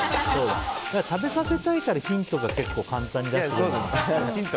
食べさせたいからヒントが結構、簡単にね。